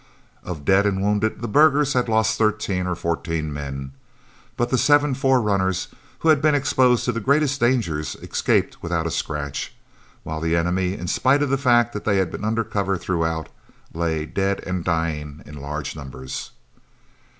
Of dead and wounded the burghers had lost thirteen or fourteen men, but the seven forerunners, who had been exposed to the greatest dangers, escaped without a scratch, while the enemy, in spite of the fact that they had been under cover throughout, lay dead and dying in large numbers.